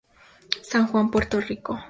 San Juan, Puerto Rico.